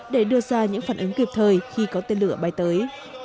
để đưa ra những phản ứng kịp thời khi có tên lửa bay tới